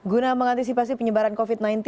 guna mengantisipasi penyebaran covid sembilan belas